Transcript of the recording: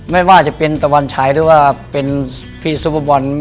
ไม่ว่าจะเป็นตะวันชัยหรือว่าเป็นพี่ซูเปอร์บอล